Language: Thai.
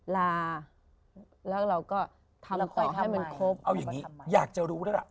ลาแล้วเราก็ทำละครให้มันครบเอาอย่างนี้อยากจะรู้แล้วล่ะ